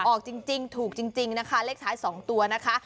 ออกจริงถูกจริงเลขสาย๒ตัวนะคะ